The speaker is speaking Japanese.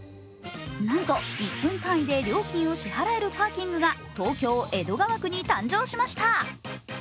なんと１分単位で料金を支払えるパーキングが東京・江戸川区に登場しました。